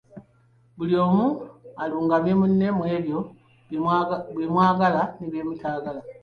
Buli omu alungamye munne mu ebyo bye mwagala ne byemutayagala.